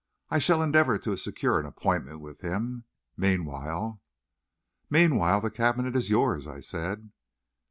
I shall endeavour to secure an appointment with him. Meanwhile...." "Meanwhile the cabinet is yours," I said.